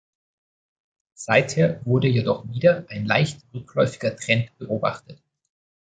Seither wurde jedoch wieder ein leicht rückläufiger Trend beobachtet.